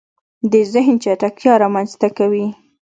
د زهن چټکتیا رامنځته کوي